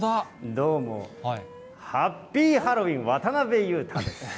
どうも、ハッピー・ハロウィン、渡辺裕太です。